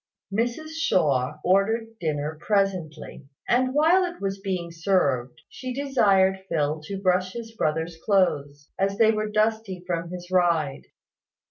Mrs Shaw ordered dinner presently; and while it was being served, she desired Phil to brush his brother's clothes, as they were dusty from his ride.